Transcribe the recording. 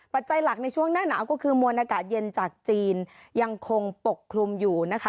จัยหลักในช่วงหน้าหนาวก็คือมวลอากาศเย็นจากจีนยังคงปกคลุมอยู่นะคะ